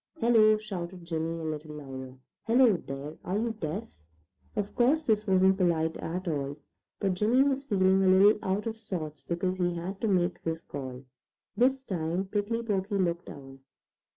"Hello!" shouted Jimmy a little louder. "Hello, there! Are you deaf?" Of course this wasn't polite at all, but Jimmy was feeling a little out of sorts because he had had to make this call. This time Prickly Porky looked down.